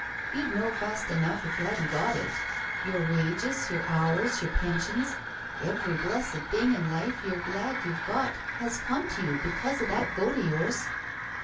You'd know fast enough if you hadn't got it. Your wages, your hours, your pensions, every blessed thing in life you're glad you've got, has come to you because of that vote of yours."